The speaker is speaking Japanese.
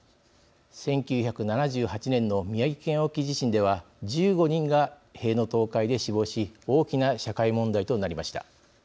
１９７８年の宮城県沖地震では１５人が塀の倒壊で死亡し大きな社会問題となりました。